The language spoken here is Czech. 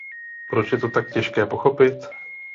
Proč je to tak těžké pochopit?